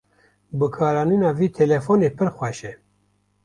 Bikaranîna vê telefonê pir xweş e.